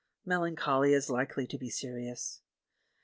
Melancholia's likely to be serious.